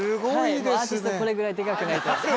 アーティストはこれぐらいデカくないと。